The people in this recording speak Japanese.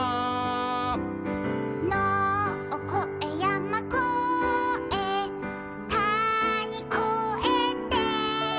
「のをこえやまこえたにこえて」